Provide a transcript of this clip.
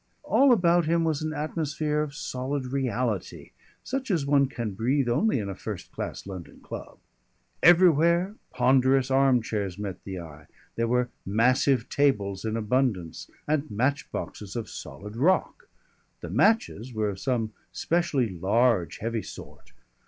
All about him was an atmosphere of solid reality, such as one can breathe only in a first class London club. Everywhere ponderous arm chairs met the eye. There were massive tables in abundance and match boxes of solid rock. The matches were of some specially large, heavy sort.